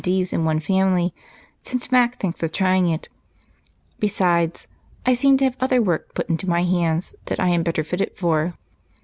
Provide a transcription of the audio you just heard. D.'s in one family, since Mac thinks of trying it. Besides, I seem to have other work put into my hands that I am better fitted for."